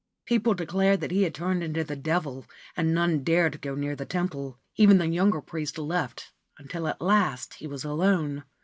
People declared that he had turned into the Devil, and none dared go near the temple ; even the younger priests left, until at last he was alone.